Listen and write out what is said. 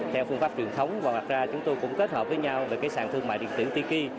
theo phương pháp truyền thống và đặt ra chúng tôi cũng kết hợp với nhau về sàn thương mại điện tử tiki